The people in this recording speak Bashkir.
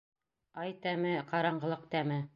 Ай тәме, ҡараңғылыҡ тәме.